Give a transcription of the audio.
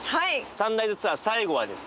サンライズツアー最後はですね